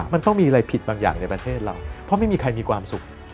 มันต้องมีอะไรผิดบางอย่างในประเทศเราเพราะไม่มีใครมีความสุข